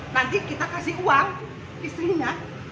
nanti kita kasih uang istrinya